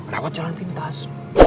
dapat jalan pintas